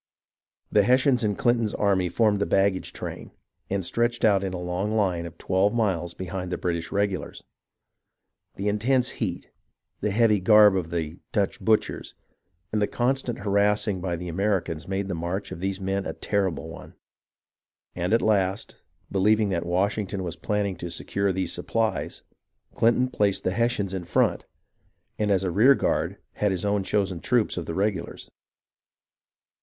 The Hessians in Clinton's army formed the baggage train, and stretched out in a long line of twelve miles be hind the British regulars. The intense heat, the heavy garb of the "Dutch butchers," and the constant harassing by the Americans made the march of these men a terrible one ; and at last, believing that Washington was planning to secure these supplies, Clinton placed the Hessians in front, and as a rear guard had his own chosen troops of the regulars.